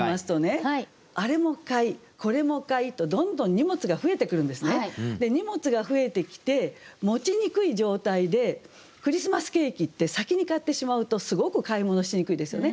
荷物が増えてきて持ちにくい状態でクリスマスケーキって先に買ってしまうとすごく買い物しにくいですよね。